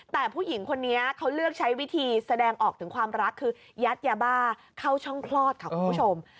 แต่ผู้หญิงคนนี้เขาเลือกใช้วิธีแสดงออกถึงความรักคือยัดยาบ้าเข้าช่องคลอดค่ะคุณผู้ชม